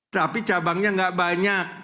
tapi cabangnya gak banyak